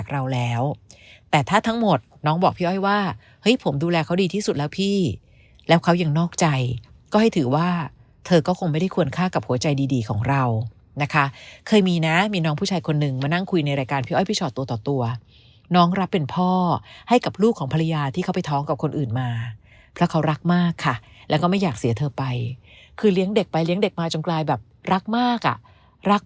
เราแล้วแต่ถ้าทั้งหมดน้องบอกพี่อ้อยว่าเฮ้ยผมดูแลเขาดีที่สุดแล้วพี่แล้วเขายังนอกใจก็ให้ถือว่าเธอก็คงไม่ได้ควรฆ่ากับหัวใจดีของเรานะคะเคยมีนะมีน้องผู้ชายคนนึงมานั่งคุยในรายการพี่อ้อยพี่ชอตตัวต่อตัวน้องรับเป็นพ่อให้กับลูกของภรรยาที่เขาไปท้องกับคนอื่นมาเพราะเขารักมากค่ะแล้วก็ไม่อยากเสียเธอไปคือเลี้ยงเด็กไปเลี้ยงเด็กมาจนกลายแบบรักมากอ่ะรัก